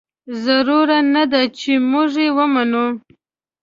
ضرور نه ده چې موږ یې ومنو.